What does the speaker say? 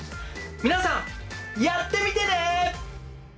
皆さんやってみてね！